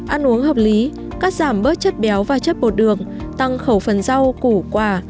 ăn uống hợp lý cắt giảm bớt chất béo và chất bột đường tăng khẩu phần rau củ quả